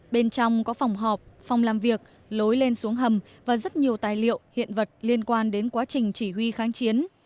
bên trong có phòng họp phòng làm việc lối lên xuống hầm và rất nhiều tài liệu hiện vật liên quan đến quá trình chỉ huy kháng chiến